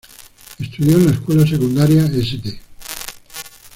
Estudió en la escuela secundaria St.